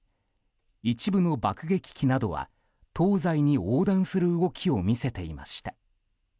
一部の爆撃機などは東西に横断する動きを見せていました。